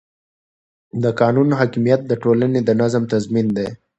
د قانون حاکمیت د ټولنې د نظم تضمین دی